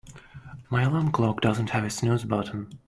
My alarm clock doesn't have a snooze button.